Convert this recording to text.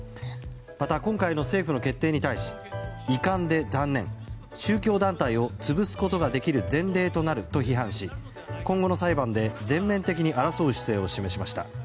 また、今回の政府の決定に対し遺憾で残念宗教団体を潰すことができる前例となると批判し今後の裁判で全面的に争う姿勢を示しました。